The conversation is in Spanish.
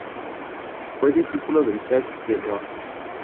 Fue discípulo de Isaac de León.